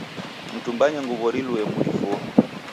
Mtumbanye nguw'o rilue mrifuo